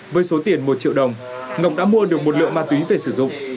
với số tiền một triệu đồng ngọc đã mua được một lượng ma túy về sử dụng